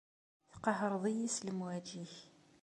Tqehhreḍ-iyi s lemwaǧi-k.